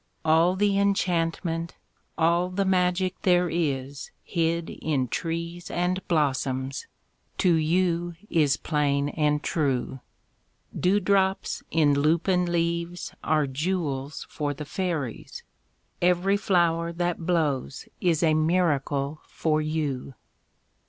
All the enchantment, all the magic there is Hid in trees and blossoms, to you is plain and true. Dewdrops in lupin leaves are jewels for the fairies; Every flower that blows is a miracle for you.